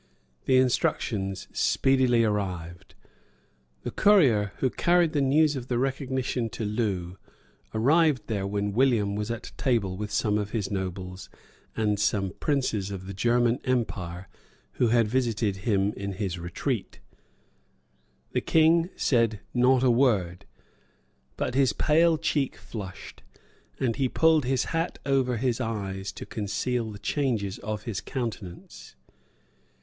The instructions speedily arrived. The courier who carried the news of the recognition to Loo arrived there when William was at table with some of his nobles and some princes of the German Empire who had visited him in his retreat. The King said not a word; but his pale cheek flushed; and he pulled his hat over his eyes to conceal the changes of his countenance.